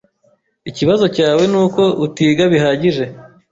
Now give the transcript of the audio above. Ikibazo cyawe nuko utiga bihagije.